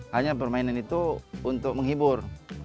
hanya permainan itu untuk menghibur